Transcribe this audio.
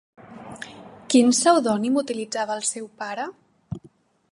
Quin pseudònim utilitzava el seu pare?